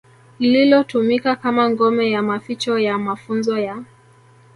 lililotumika kama ngome ya maficho ya mafunzo ya